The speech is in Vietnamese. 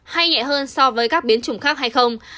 hay nhẹ hơn so với các biến chủng khác hay không